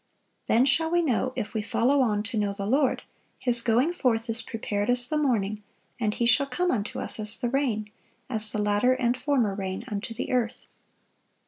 "Then shall we know, if we follow on to know the Lord: His going forth is prepared as the morning; and He shall come unto us as the rain, as the latter and former rain unto the earth."